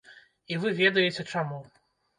І вы ведаеце чаму.